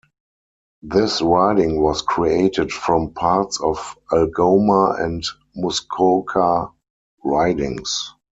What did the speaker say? This riding was created from parts of Algoma and Muskoka ridings.